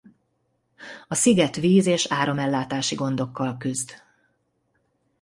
A sziget víz és áramellátási gondokkal küzd.